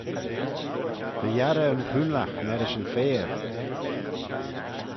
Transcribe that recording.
Dy yiarrey yn coonlagh marish yn faiyr.